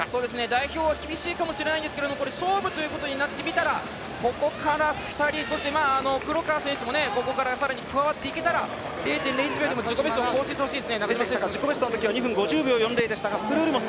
代表は厳しいかもしれないんですけど勝負ということになってみたらここから２人、そして黒川選手もここから加わっていければ０．０１秒でも自己ベストを更新してほしいですね。